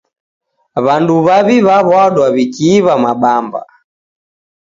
W'andu w'aw'i w'aw'adwa w'ikiiwa mabamba.